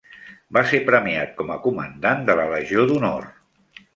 Va ser premiat com a comandant de la Legió d'Honor.